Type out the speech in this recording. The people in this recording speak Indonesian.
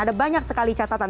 terkait sekali catatan